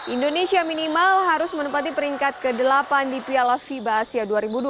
indonesia minimal harus menempati peringkat ke delapan di piala fiba asia dua ribu dua puluh